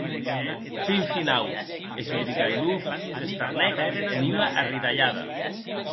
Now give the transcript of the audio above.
Fin finau, Svidrigailov s’estarnec en ua arridalhada.